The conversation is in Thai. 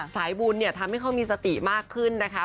สายบุญเนี่ยทำให้เขามีสติมากขึ้นนะคะ